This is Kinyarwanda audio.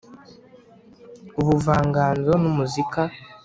ubuvanganzo n’umuzika